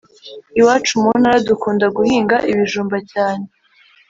Iwacu muntara dukunda guhinga ibijumba cyane